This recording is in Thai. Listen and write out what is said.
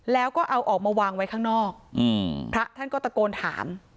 แล้วก็เอาออกมาวางไว้ข้างนอกพระท่านก็ตะโกนถาม